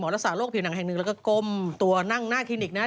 รักษาโรคผิวหนังแห่งหนึ่งแล้วก็ก้มตัวนั่งหน้าคลินิกนะฮะ